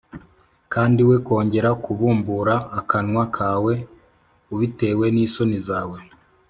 kandi we kongera kubumbura akanwa kawe ubitewe n’isoni zawe